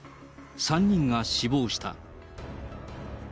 ３人が死亡した。